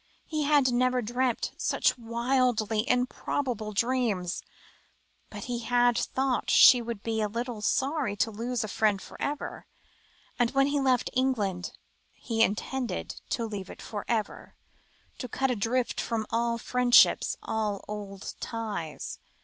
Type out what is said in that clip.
He had never dreamt such wildly improbable dreams, but he had thought she would be a little sorry to lose a friend for ever; and when he left England, he intended to leave it for ever, to cut adrift from all old friendships, all old ties.